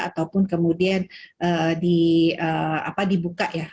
ataupun kemudian dibuka